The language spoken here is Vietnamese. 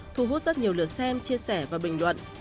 thu hút rất nhiều lượt xem chia sẻ và bình luận